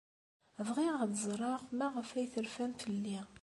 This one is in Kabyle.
Bɣiɣ ad ẓreɣ maɣef ay terfam fell-i.